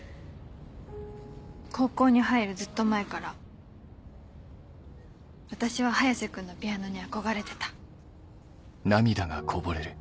高校に入るずっと前から私は早瀬君のピアノに憧れてた。